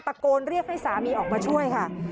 ตะโกนเรียกให้สามีออกมาช่วยค่ะ